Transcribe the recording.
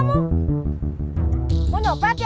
mau nopet ya